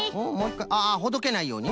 ああほどけないようにね。